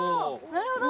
なるほど！